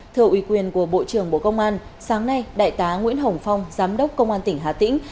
thưa ủy quyền của bộ trưởng bộ công an sáng nay đại tá nguyễn hồng phong giám đốc công an tỉnh hà tĩnh